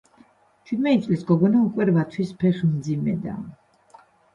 ჩვიდმეტი წლის გოგონა უკვე რვა თვის ფეხმძიმედაა.